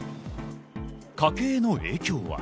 家計への影響は？